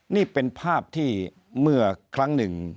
นี่เป็นภาพที่เมื่อครั้งหนึ่ง